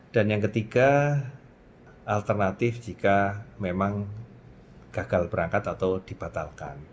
dan yang ketiga alternatif jika memang gagal berangkat atau dibatalkan